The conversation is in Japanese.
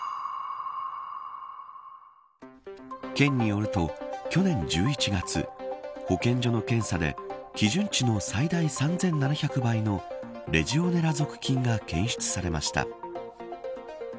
県によると、去年１１月保健所の検査で基準値の最大３７００倍のレジオネラ属菌が検出されました。